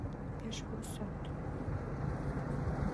Пеш вурсат.